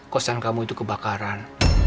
kosan kamu itu kebakaran